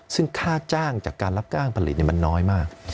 ซึ่งค่าจ้างการรับก้านประผลีตเนี่ยมันน้อยมาก